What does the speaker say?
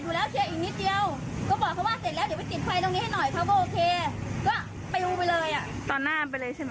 คุยกันอยู่จะเสร็จดูแล้วเชื่ออีกนิดเดียว